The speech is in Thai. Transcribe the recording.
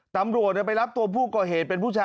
ตำรวจไปรับตัวผู้ก่อเหตุเป็นผู้ชาย